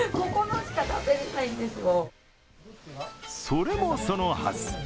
それもそのはず。